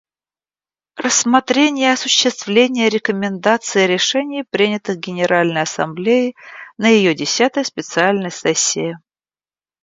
Рассмотрение осуществления рекомендаций и решений, принятых Генеральной Ассамблеей на ее десятой специальной сессии.